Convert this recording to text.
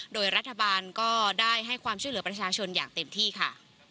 โดยรัฐบาลก็ได้ให้ความช่วยเหลือประชาชนอย่างเต็มที่ค่ะ